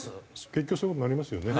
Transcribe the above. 結局そういう事になりますよね。